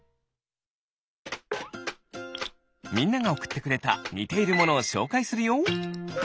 みんながおくってくれたにているものをしょうかいするよ。